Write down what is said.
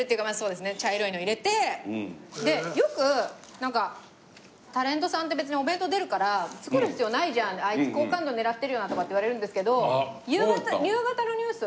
でよくタレントさんって別にお弁当出るから作る必要ないじゃんあいつ好感度狙ってるよなとかって言われるんですけど。